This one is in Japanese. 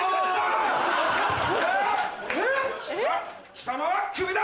貴様はクビだ！